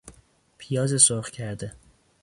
پیاز سرخ کرده